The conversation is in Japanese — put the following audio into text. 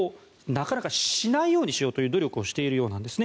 なかなかしないようにしようという努力をしているようなんです。